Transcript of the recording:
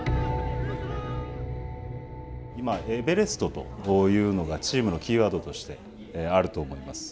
今、エベレストというのがチームのキーワードとしてあると思います。